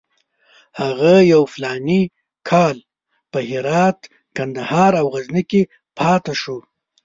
هغه یو فلاني کال په هرات، کندهار او غزني کې پاتې شو.